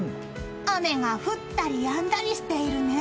雨が降ったりやんだりしているね。